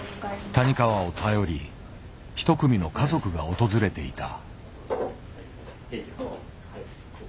谷川を頼り一組の家族が訪れていた。